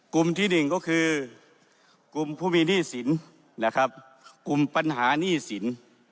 กลุ่มที่หนึ่งก็คือกลุ่มผู้มีหนี้สินนะครับกลุ่มปัญหาหนี้สิน